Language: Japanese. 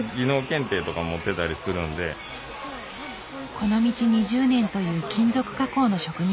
この道２０年という金属加工の職人さん。